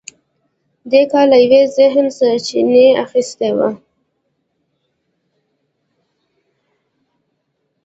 دې کار له یوه ذهنه سرچینه اخیستې وه